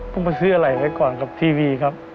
ก็มาซื้ออะไรให้ก่อนครับทีวีครับ